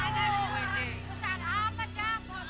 kesan apa jang